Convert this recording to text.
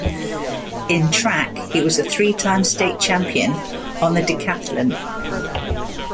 In track, he was a three-time State Champion on the decathlon.